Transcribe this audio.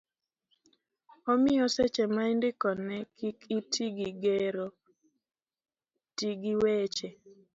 omiyo seche ma indiko ne kik iti gi gero, ti gi weche